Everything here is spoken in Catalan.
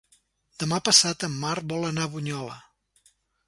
Demà passat en Marc vol anar a Bunyola.